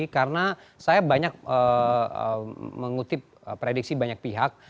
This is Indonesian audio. karena saya banyak mengutip prediksi banyak pihak